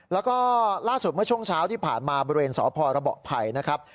แล้วก็ล่าสุดเมื่อช่วงเช้าที่ผ่านมาบริเวณสพระเบาะไผ่นะครับ